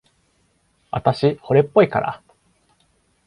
あたし、惚れっぽいから。